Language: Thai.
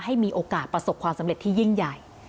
ให้มีโอกาสประสบความสำเร็จที่ยิ่งใหญ่